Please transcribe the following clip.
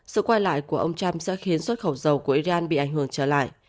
sự quay lại của ông trump sẽ khiến xuất khẩu dầu của iran bị ảnh hưởng trở lại